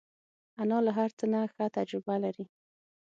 انا له هر څه نه ښه تجربه لري